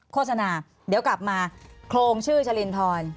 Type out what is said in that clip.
โฆษณาเดี๋ยวกลับมาโครงชื่อชลินทร